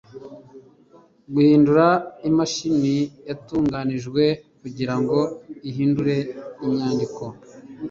guhindura imashini yatunganijwe kugirango ihindure inyandiko